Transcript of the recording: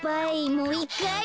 もういっかい。